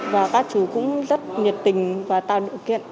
và các chú cũng rất nhiệt tình và tạo điều kiện